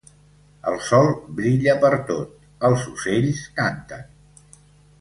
El sol brilla pertot, els ocells canten.